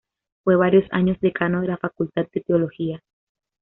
Fue varios años Decano de la Facultad de Teología.